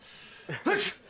よし！